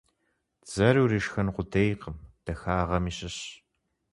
Дзэр уришхэн къудейкъым, дахагъэми щыщщ.